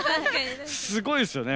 すごいですよね。